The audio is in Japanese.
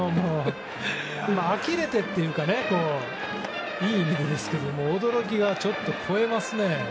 あきれてというかいい意味でですけど驚きが、ちょっと超えますね。